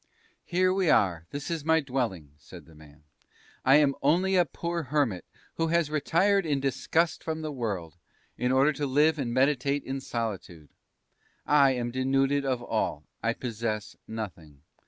"Here we are, this is my dwelling," said the man; "I am only a poor hermit, who has retired in disgust from the world, in order to live and meditate in solitude. I am denuded of all; I possess nothing.